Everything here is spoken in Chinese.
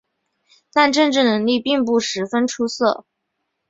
但政治能力并不十分出色。